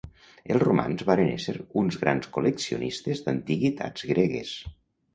Els romans varen ésser uns grans col·leccionistes d'antiguitats gregues.